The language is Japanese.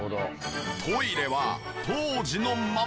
トイレは当時のまま。